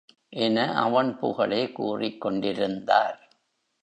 என அவன் புகழே கூறிக் கொண்டிருந்தார்.